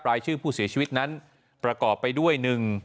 รายชื่อผู้เสียชีวิตนั้นประกอบไปด้วย๑